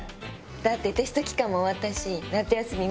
だってテスト期間も終わったし夏休み